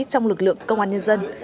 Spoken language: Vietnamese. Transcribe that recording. trong lực lượng công an nhân dân